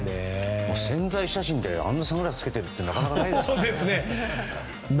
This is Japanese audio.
宣材写真であんなサングラス着けてるってなかなかないですからね。